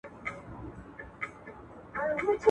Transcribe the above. زه مخکي کښېناستل کړي وو؟!